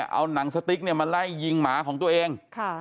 เอาหนังสติ๊กเนี่ยมาไล่ยิงหมาของตัวเอง